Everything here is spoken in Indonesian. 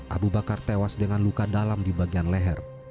abu bakar tewas dengan luka dalam di bagian leher